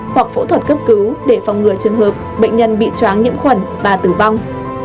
hoặc phẫu thuật cấp cứu để phòng ngừa trường hợp bệnh nhân bị chóng nhiễm khuẩn và tử vong